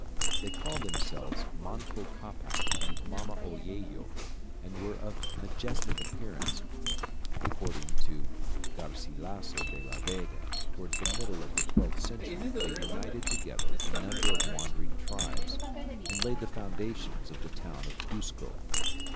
They called themselves Manco Capac and Mama Oello, and were of majestic appearance; according to Garcilasso de la Vega, towards the middle of the twelfth century they united together a number of wandering tribes, and laid the foundations of the town of Cuzco.